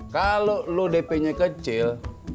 kalau lo dp nya kecil